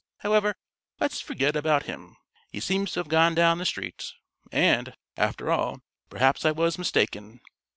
However, let's forget about him. He seems to have gone down the street, and, after all, perhaps I was mistaken.